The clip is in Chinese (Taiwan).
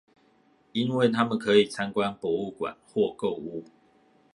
因為他們可以參觀博物館或購物